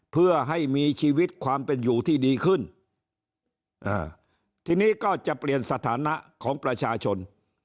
เพื่อให้มีชีวิตความเป็นอยู่ที่ดีขึ้นอ่าทีนี้ก็จะเปลี่ยนสถานะของประชาชน